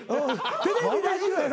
テレビラジオやろ？